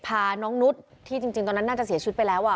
พาน้องนุษย์ที่จริงตอนนั้นน่าจะเสียชีวิตไปแล้วอ่ะ